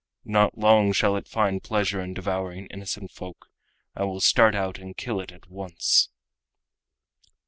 Not long shall it find pleasure in devouring innocent folk. I will start out and kill it at once."